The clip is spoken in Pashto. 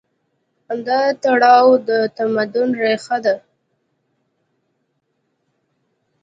دا تړاو د تمدن ریښه ده.